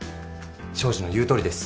東海林の言うとおりです。